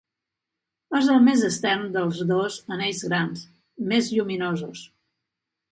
És el més extern dels dos anells grans, més lluminosos.